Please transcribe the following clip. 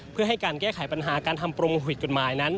เพื่อให้การแก้ไขปัญหาการทำปรุงผิดกฎหมายนั้น